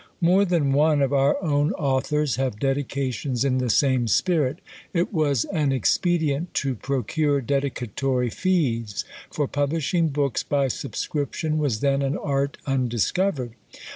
More than one of our own authors have dedications in the same spirit. It was an expedient to procure dedicatory fees: for publishing books by subscription was then an art undiscovered.